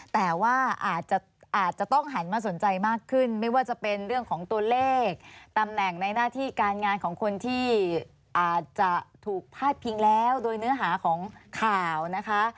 แต่ว่าอาจจะต้องหันมาสนใจมากขึ้นไม่ว่าจะเป็นเรื่องของตัวเลขตำแหน่งในหน้าที่การงานของคนที่อาจจะถูกพาดพิงแล้วโดยเนื้อหาของข่าวนะคะ